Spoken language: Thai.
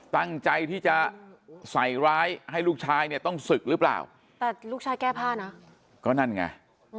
ตั้งใจที่จะใส่ร้ายให้ลูกชายเนี่ยต้องศึกหรือเปล่าแต่ลูกชายแก้ผ้านะก็นั่นไง